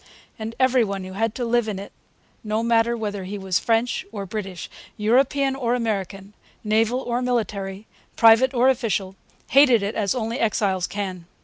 And every one who had to live in it no matter whether he was French or British, European or American, naval or military, private or official hated it as only exiles can.